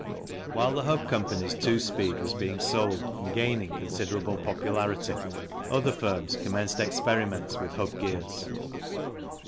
While the Hub Co.'s two speed was being sold and gaining considerable popularity, other firms commenced experiments with hub gears.